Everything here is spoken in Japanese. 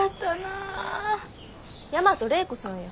大和礼子さんや。